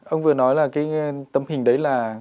ông vừa nói là cái tâm hình đấy là